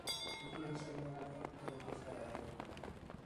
لېكىن ھېچكىمنىڭ بۇنى تەبرىكلەشكە رايى يوق.